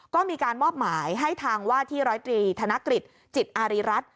ก็มีการมอบหมายให้ทางว่าที่๑๐๓ธนกฤษจิตอาริรัติ